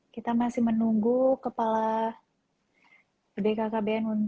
kita masih menunggu kepala bkkbn